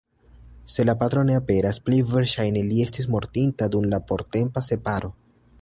Se la patro ne aperas, plej verŝajne li estis mortinta dum la portempa separo.